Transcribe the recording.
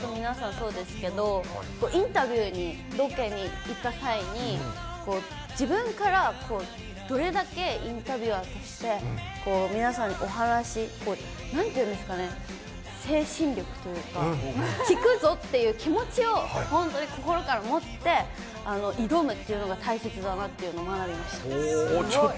そうですけど、インタビューにロケに行った際に、自分からどれだけインタビュアーとして皆さんにお話、なんて言うんですかね、精神力というか、聞くぞっていう気持ちを本当に心から持って挑むっていうのが大切だなっていうのを学びまほー、ちょっと。